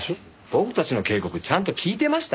僕たちの警告ちゃんと聞いてました？